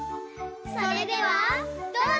それではどうぞ！